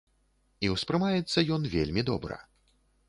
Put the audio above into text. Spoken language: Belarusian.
І ўспрымаецца ён вельмі добра.